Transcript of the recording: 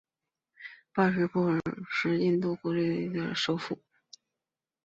布巴内什瓦尔是印度奥里萨邦首府。